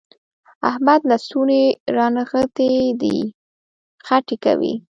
احمد لستوڼي رانغښتي دي؛ خټې کوي.